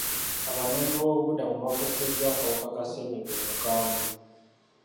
Abanoonyi b'obuddamu bakoseddwa akawuka ka ssenyiga omukambwe.